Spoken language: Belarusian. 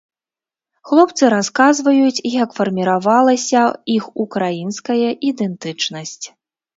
Хлопцы расказваюць, як фарміравалася іх украінская ідэнтычнасць.